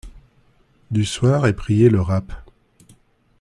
du soir, est priée le rapp.